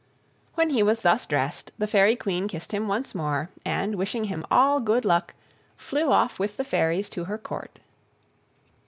When he was thus dressed, the Fairy Queen kissed him once more, and, wishing him all good luck, flew off with the fairies to her Court.